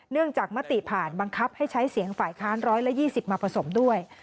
จากมติผ่านบังคับให้ใช้เสียงฝ่ายค้าน๑๒๐มาผสมด้วย